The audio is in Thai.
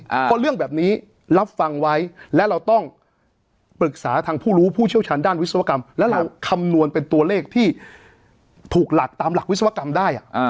เพราะเรื่องแบบนี้รับฟังไว้และเราต้องปรึกษาทางผู้รู้ผู้เชี่ยวชาญด้านวิศวกรรมแล้วเราคำนวณเป็นตัวเลขที่ถูกหลักตามหลักวิศวกรรมได้อ่ะอ่า